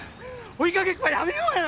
追いかけっこはやめようよ。